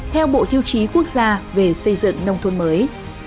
theo bộ tiêu chí quốc gia về xây dựng nông thôn mới